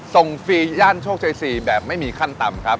ฟรีย่านโชคชัย๔แบบไม่มีขั้นต่ำครับ